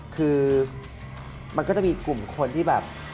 คือมันก็จะมีกลุ่มคนที่แบบ